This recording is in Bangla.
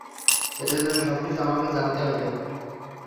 এর জন্য সবকিছু আমাকে জানতে হবে!